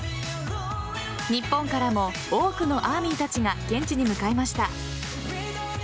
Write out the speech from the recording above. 日本からも多くのＡＲＭＹたちが現地に向かいました。